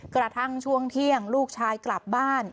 กระทั่งช่วงเที่ยงลูกชายกลับบ้าน